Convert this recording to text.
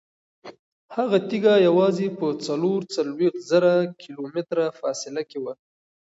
هغه تیږه یوازې په څلور څلوېښت زره کیلومتره فاصله کې وه.